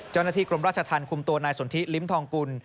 เจ้าหน้าที่กรมราชธรรมคุมตัวนายสนทิลิ้มทองกุล